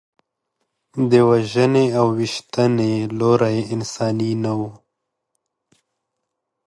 د وژنې او ویشتنې لوری انساني نه و.